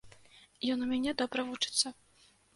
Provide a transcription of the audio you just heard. Ён у мяне добра вучыцца.